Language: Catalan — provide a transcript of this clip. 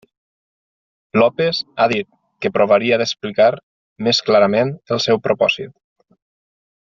López ha dit que provaria d'explicar més clarament el seu propòsit.